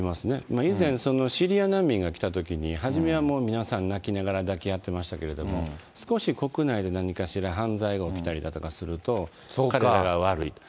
以前、そのシリア難民が来たときに、初めはもう皆さん泣きながら抱き合ってましたけども、少し国内で何かしら犯罪が起きたりだとかすると、彼らが悪いと。